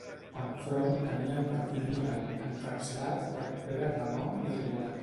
Enfront tenia el Partit Liberal, encapçalat per Pere Renom i Riera.